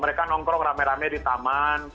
mereka nongkrong rame rame di taman